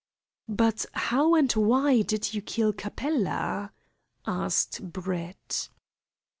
"But how and why did you kill Capella?" asked Brett.